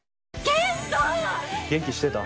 元気してた？